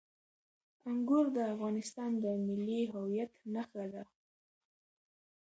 انګور د افغانستان د ملي هویت نښه ده.